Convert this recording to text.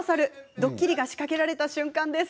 ドッキリが仕掛けられた瞬間です。